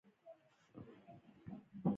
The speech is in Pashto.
د کاروان صاحب ناول شنه غمي واله جلکۍ نومېږي.